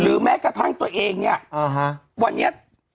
แม้กระทั่งตัวเองเนี่ยวันนี้